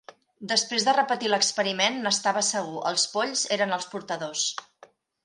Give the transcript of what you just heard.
Després de repetir l'experiment, n'estava segur: els polls eren els portadors.